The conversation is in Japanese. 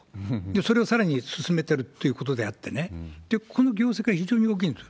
それをさらに進めてるということであってね、この業績は非常に大きいんです。